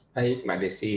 baik mbak desi